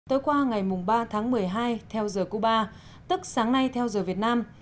tối qua ngày ba tháng một mươi hai theo giờ cuba tức sáng nay theo giờ việt nam